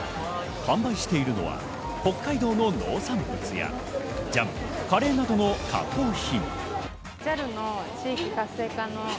販売しているのは北海道の農産物やジャム、カレーなどの加工品。